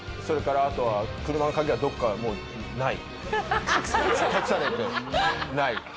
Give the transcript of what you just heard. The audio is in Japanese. それからあとは車の鍵はどこかもうない。